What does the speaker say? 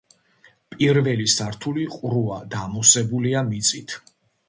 პირველი სართული ყრუა და ამოვსებულია მიწით.